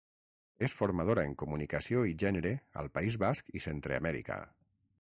És formadora en comunicació i gènere al País Basc i Centreamèrica.